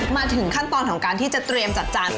มาถึงขั้นตอนของการที่จะเตรียมจัดจาน